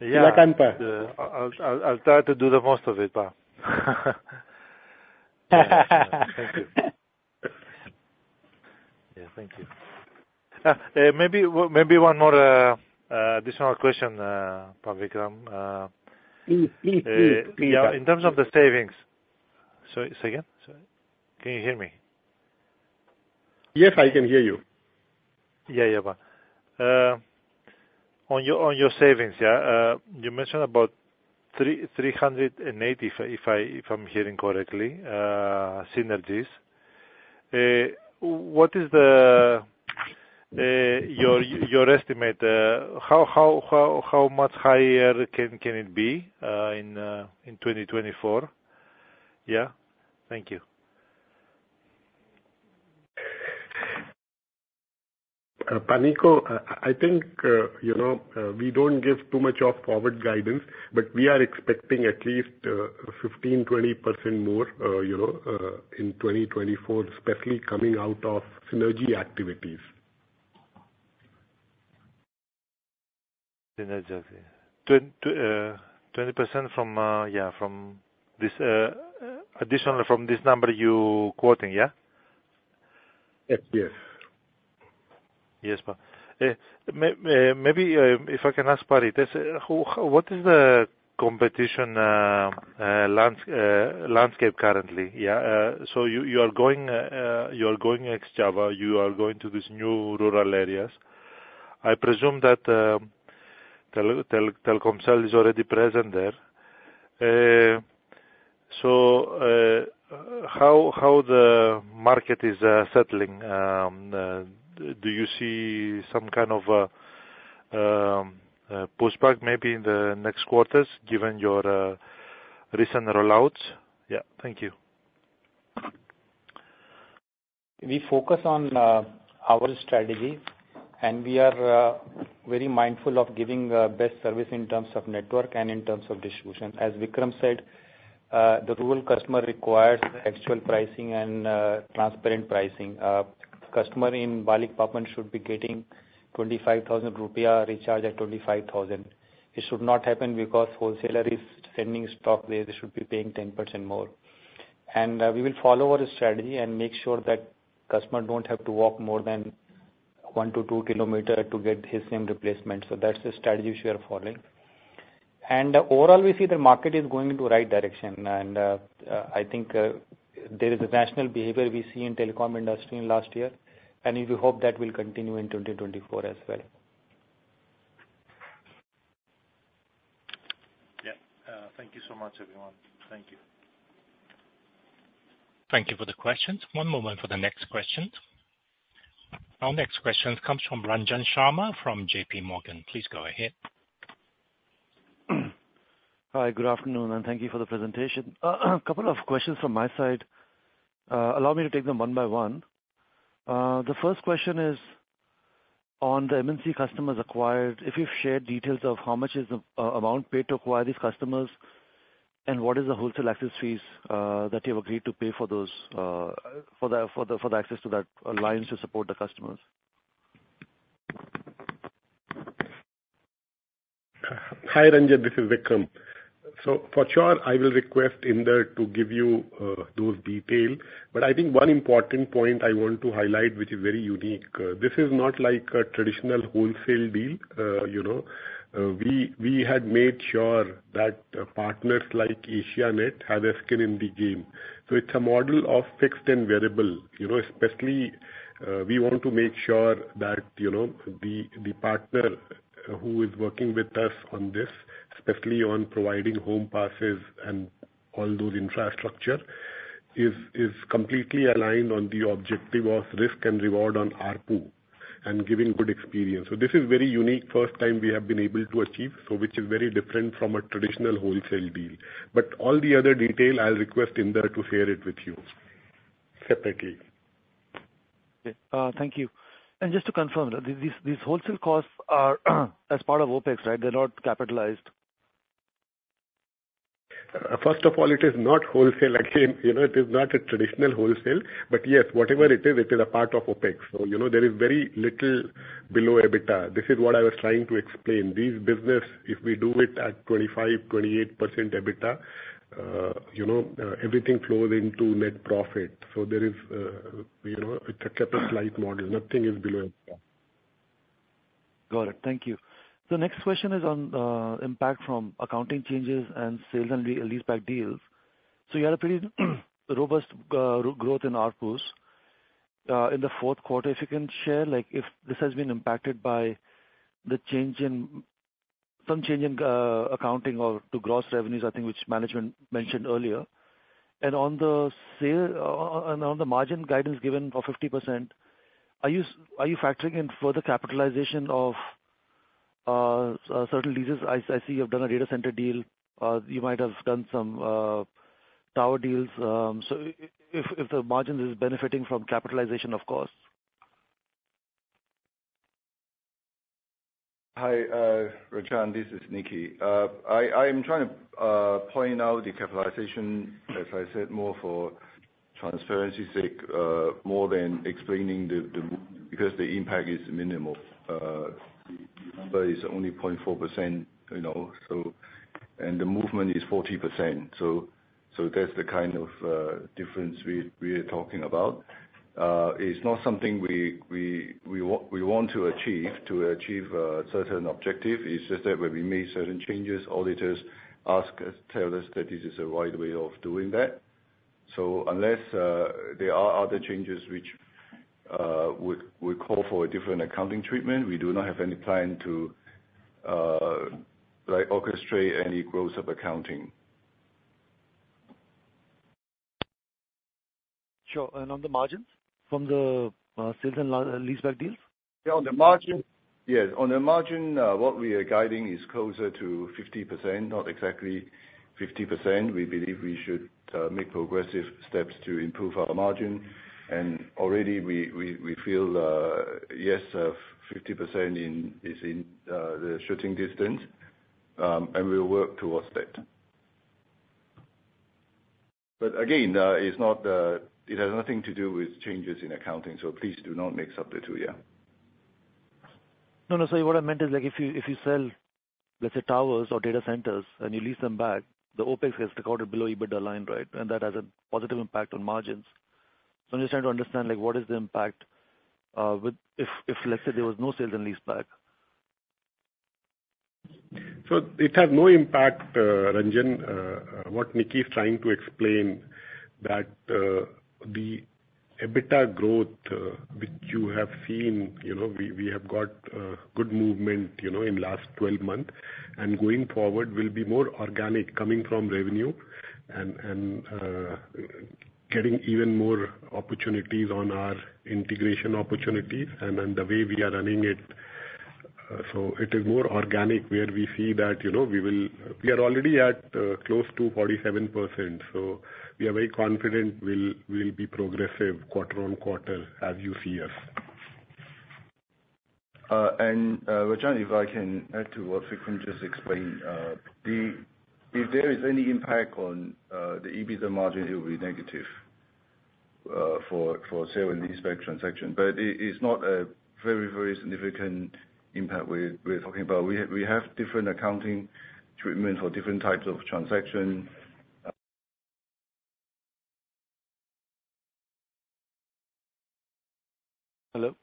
Yeah. Like and buy. I'll try to do the most of it, but. Thank you. Yeah, thank you. Maybe one more additional question, Vikram. Please, please, please. In terms of the savings. Sorry, say again? Can you hear me? Yes, I can hear you. Yeah, yeah. But on your savings, yeah, you mentioned about 380 million, if I'm hearing correctly, synergies. What is your estimate, how much higher can it be in 2024? Yeah. Thank you. Pak Niko, I think, you know, we don't give too much of forward guidance, but we are expecting at least 15%-20% more, you know, in 2024, especially coming out of synergy activities. Synergy. 20% from, yeah, from this additional from this number you quoting, yeah? Yes. Yes. Yes, but maybe if I can ask Ritesh, what is the competition landscape currently? Yeah, so you are going ex-Java, you are going to these new rural areas. I presume that Telkomsel is already present there. So, how the market is settling? Do you see some kind of pushback maybe in the next quarters, given your recent rollouts? Yeah. Thank you. We focus on our strategy, and we are very mindful of giving best service in terms of network and in terms of distribution. As Vikram said, the rural customer requires actual pricing and transparent pricing. Customer in Balikpapan should be getting 25,000 rupiah, recharged at 25,000 IDR. It should not happen because wholesaler is sending stock where they should be paying 10% more. We will follow our strategy and make sure that customer don't have to walk more than 1-2 kilometer to get his SIM replacement. That's the strategy we are following. Overall, we see the market is going in the right direction, and I think there is a national behavior we see in telecom industry in last year, and we hope that will continue in 2024 as well. Yeah. Thank you so much, everyone. Thank you. Thank you for the questions. One moment for the next question. Our next question comes from Ranjan Sharma, from JPMorgan. Please go ahead. Hi, good afternoon, and thank you for the presentation. A couple of questions from my side. Allow me to take them one by one. The first question is on the MNC customers acquired. If you've shared details of how much is the amount paid to acquire these customers, and what is the wholesale access fees that you've agreed to pay for those, for the access to that alliance to support the customers? Hi, Ranjan, this is Vikram. So for sure, I will request Indar to give you those details. But I think one important point I want to highlight, which is very unique, this is not like a traditional wholesale deal, you know. We had made sure that partners like Asianet have a skin in the game. So it's a model of fixed and variable. You know, especially, we want to make sure that, you know, the partner who is working with us on this, especially on providing home passes and all those infrastructure is completely aligned on the objective of risk and reward on ARPU and giving good experience. So this is very unique, first time we have been able to achieve, so which is very different from a traditional wholesale deal. All the other detail, I'll request Indar to share it with you separately. Okay, thank you. And just to confirm, that these, these wholesale costs are as part of OpEx, right? They're not capitalized. First of all, it is not wholesale. Again, you know, it is not a traditional wholesale, but yes, whatever it is, it is a part of OpEx. So, you know, there is very little below EBITDA. This is what I was trying to explain. These business, if we do it at 25%-28% EBITDA, you know, everything flows into net profit. So there is, you know, it's a capitalized model, nothing is below EBITDA. Got it. Thank you. So next question is on impact from accounting changes and sales and leaseback deals. So you had a pretty robust growth in ARPUs in the fourth quarter. If you can share, like, if this has been impacted by some change in accounting or to gross revenues, I think, which management mentioned earlier. And on the sale and on the margin guidance given for 50%, are you factoring in further capitalization of certain leases? I see you've done a data center deal. You might have done some tower deals. So if the margin is benefiting from capitalization of costs. Hi, Ranjan, this is Nicky. I'm trying to point out the capitalization, as I said, more for transparency sake, more than explaining the, the... Because the impact is minimal, but it's only 0.4%, you know, so... And the movement is 40%, so, so that's the kind of difference we are talking about. It's not something we want to achieve, to achieve certain objective. It's just that when we make certain changes, auditors ask us, tell us that this is a right way of doing that. So unless there are other changes which would call for a different accounting treatment, we do not have any plan to, like, orchestrate any gross-up accounting. Sure. And on the margins from the sales and leaseback deals? Yeah, on the margin. Yes, on the margin, what we are guiding is closer to 50%, not exactly 50%. We believe we should make progressive steps to improve our margin. And already we feel yes, 50% is in the shooting distance, and we'll work towards that. But again, it's not, it has nothing to do with changes in accounting, so please do not mix up the two, yeah. No, no. So what I meant is, like, if you, if you sell, let's say, towers or data centers, and you lease them back, the OpEx gets recorded below EBITDA line, right? And that has a positive impact on margins. So I'm just trying to understand, like, what is the impact with... if, let's say, there was no sales and lease back. So it has no impact, Ranjan. What Nicky is trying to explain, that, the EBITDA growth, which you have seen, you know, we, we have got, good movement, you know, in last 12 months, and going forward will be more organic coming from revenue and, and, getting even more opportunities on our integration opportunities and then the way we are running it. So it is more organic, where we see that, you know, we will - we are already at, close to 47%, so we are very confident we'll, we'll be progressive quarter-on-quarter as you see us. And, Ranjan, if I can add to what Vikram just explained. If there is any impact on the EBITDA margin, it will be negative for sale and leaseback transaction. But it's not a very, very significant impact we're talking about. We have different accounting treatment for different types of transaction. Hello?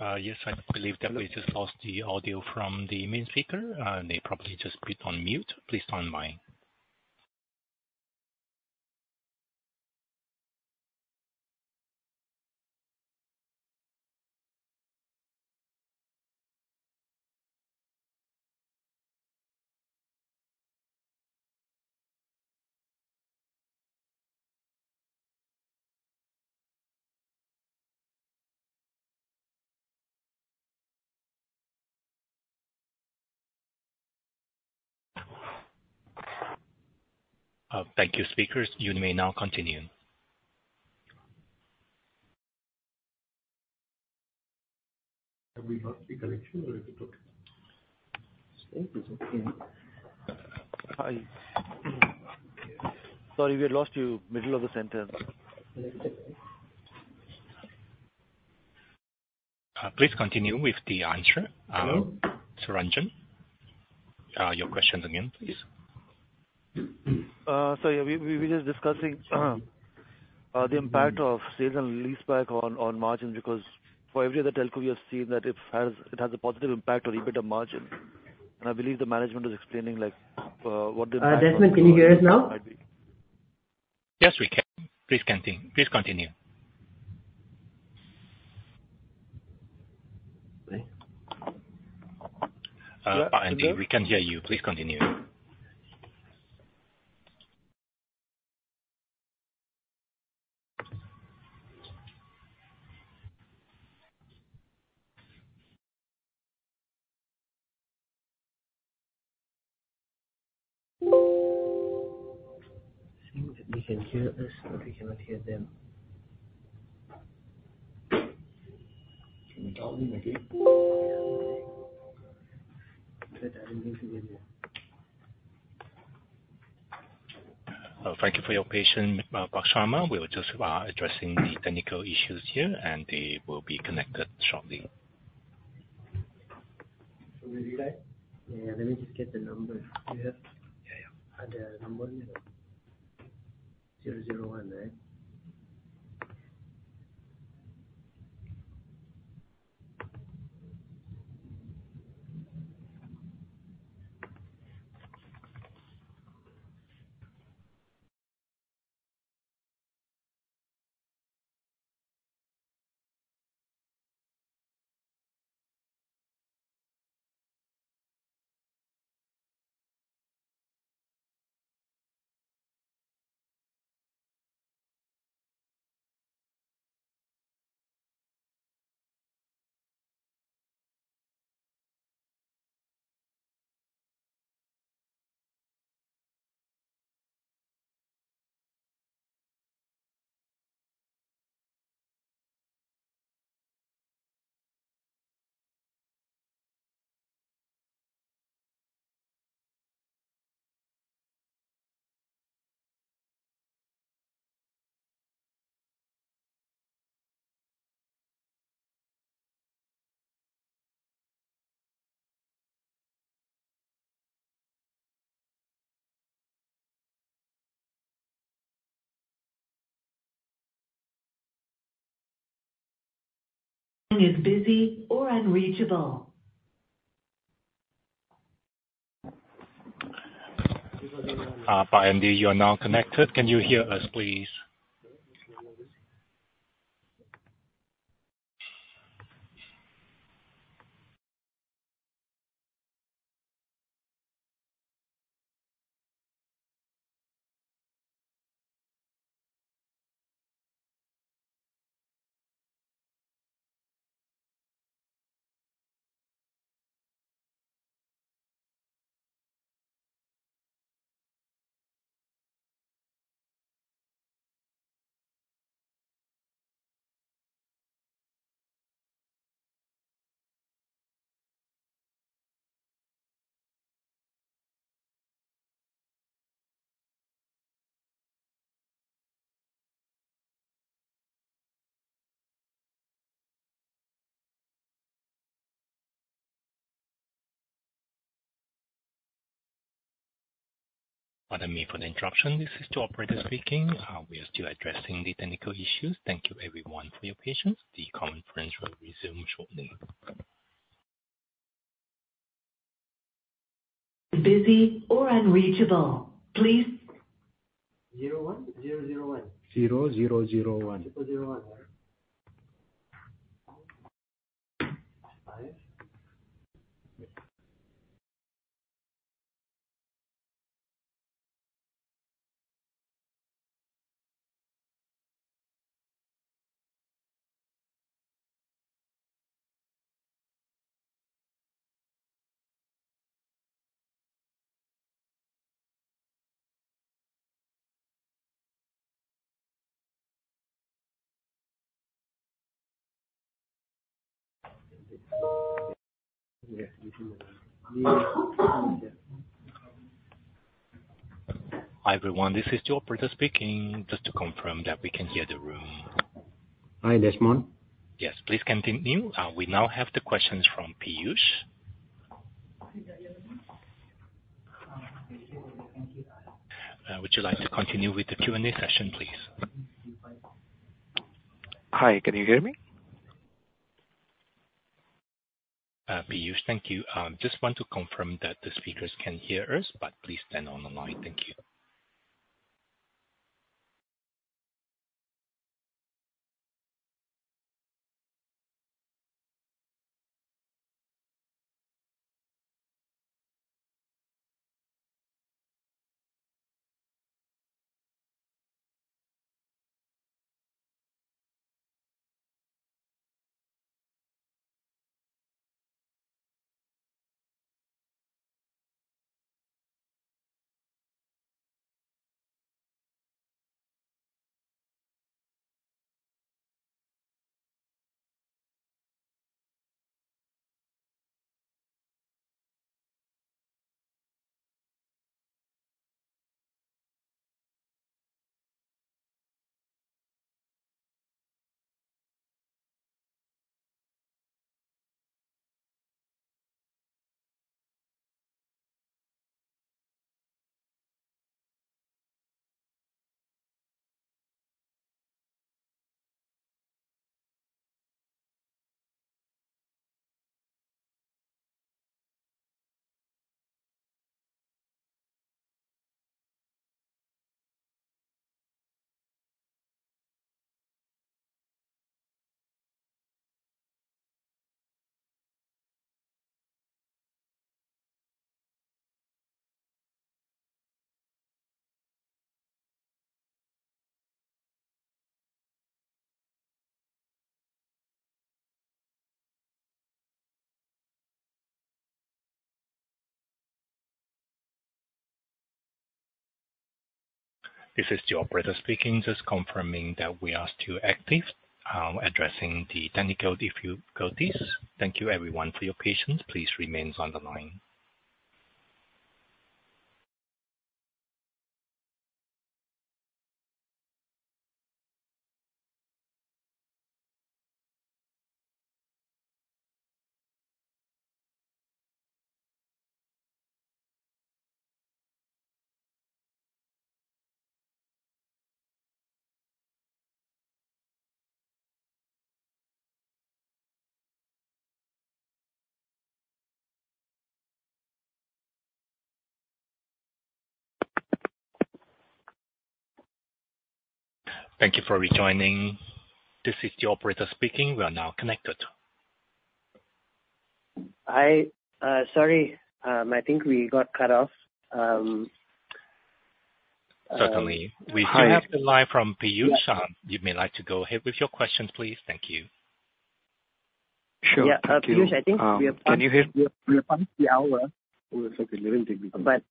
Yes, I believe that we just lost the audio from the main speaker. They probably just clicked on mute. Please stand by. Thank you, speakers. You may now continue. Have we lost the connection or is it okay? I think it's okay. Hi. Sorry, we had lost you, middle of a sentence. Please continue with the answer. Hello? - Sir Ranjan, your questions again, please. So yeah, we were just discussing the impact of sales and leaseback on margins, because for every other telco, we have seen that it has a positive impact on EBITDA margin. And I believe the management is explaining, like, what the- Desmond, can you hear us now? Yes, we can. Please continue. Ranjan, we can hear you. Please continue. Thank you for your patience, Ranjan Sharma. We were just addressing the technical issues here, and they will be connected shortly. So we do that? Yeah, let me just get the number. Yeah. Yeah, yeah. Are there a number? 001, right? Indar, you are now connected. Can you hear us, please? Pardon me for the interruption. This is the operator speaking. We are still addressing the technical issues. Thank you everyone for your patience. The conference will resume shortly. Hi, everyone, this is the operator speaking, just to confirm that we can hear the room. Hi, Desmond. Yes, please continue. We now have the questions from Piyush. Would you like to continue with the Q&A session, please? Hi, can you hear me? Piyush, thank you. Just want to confirm that the speakers can hear us, but please stay on the line. Thank you. This is the operator speaking, just confirming that we are still active, addressing the technical difficulties. Thank you everyone for your patience. Please remain on the line. Thank you for rejoining. This is the operator speaking. We are now connected. Sorry, I think we got cut off. Certainly. We still have the line from Piyush Choudhary. You may like to go ahead with your questions, please. Thank you. Sure. Yeah, Piyush, I think we have- Can you hear? We have passed the hour, but,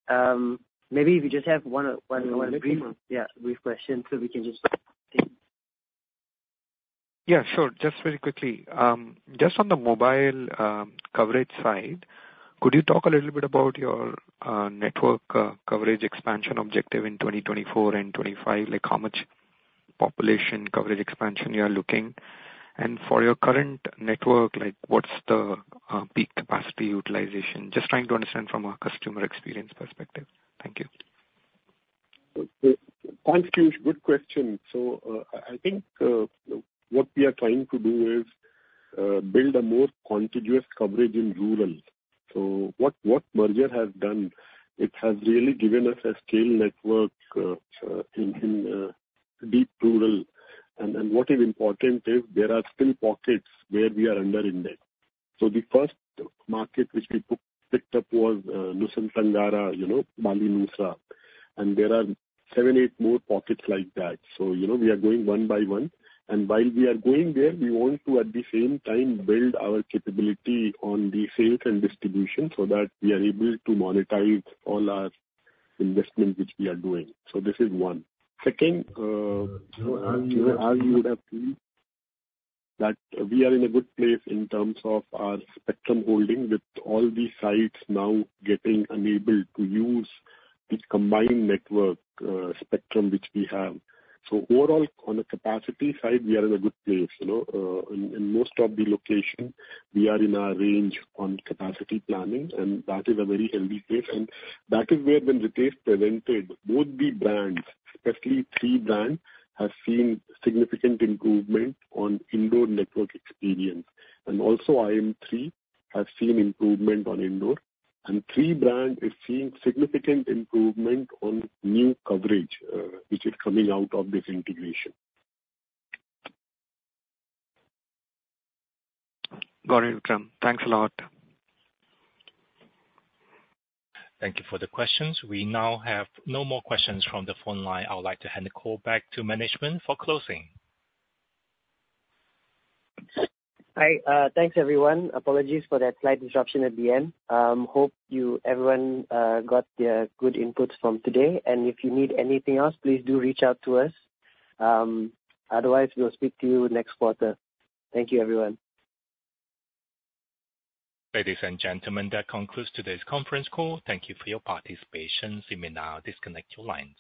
maybe if you just have one - yeah, brief question, so we can just... Yeah, sure. Just very quickly, just on the mobile, coverage side, could you talk a little bit about your, network, coverage expansion objective in 2024 and 2025? Like, how much population coverage expansion you are looking. And for your current network, like, what's the, peak capacity utilization? Just trying to understand from a customer experience perspective. Thank you. Thanks, Piyush. Good question. So, I think what we are trying to do is build a more contiguous coverage in rural. So what merger has done, it has really given us a scale network in deep rural. And what is important is there are still pockets where we are under index. So the first market which we picked up was Nusa Tenggara, you know, Bali, Nusa, and there are seven, eight more pockets like that. So, you know, we are going one by one, and while we are going there, we want to at the same time build our capability on the sales and distribution, so that we are able to monetize all our investment which we are doing. So this is one. Second, you know, as you would have seen, that we are in a good place in terms of our spectrum holding, with all the sites now getting enabled to use this combined network spectrum, which we have. So overall, on the capacity side, we are in a good place. You know, in most of the location, we are in our range on capacity planning, and that is a very healthy place. And that is where when Ritesh presented, both the brands, especially Tri brand, has seen significant improvement on indoor network experience. And also IM3 has seen improvement on indoor, and Tri brand is seeing significant improvement on new coverage, which is coming out of this integration. Got it, Vikram. Thanks a lot. Thank you for the questions. We now have no more questions from the phone line. I would like to hand the call back to management for closing. Hi, thanks, everyone. Apologies for that slight disruption at the end. Hope you everyone got their good inputs from today. And if you need anything else, please do reach out to us. Otherwise, we'll speak to you next quarter. Thank you, everyone. Ladies and gentlemen, that concludes today's conference call. Thank you for your participation. You may now disconnect your lines.